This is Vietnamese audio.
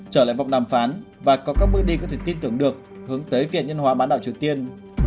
trở lại vòng đàm phán và có các bước đi có thể tin tưởng được hướng tới phiền nhân hóa bán đảo triều tiên